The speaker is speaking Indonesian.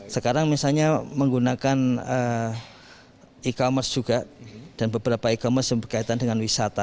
sekarang misalnya menggunakan e commerce juga dan beberapa e commerce yang berkaitan dengan wisata